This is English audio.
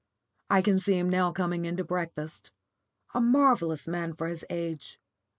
I can see him now coming in to breakfast a marvellous man for his age.